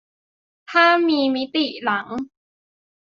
ถ้ามีมิติหลัง